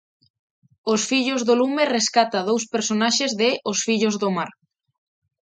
Os fillos do lume rescata dous personaxes de Os fillos do mar.